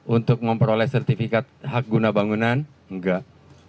untuk memperoleh sertifikat hak guna bangunan enggak